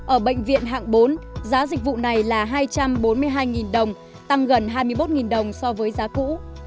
ở bệnh viện hạng bốn giá dịch vụ này là hai trăm bốn mươi hai đồng tăng gần hai mươi một đồng so với giá cũ